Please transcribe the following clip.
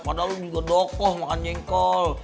padahal lu juga dokoh makan jengkol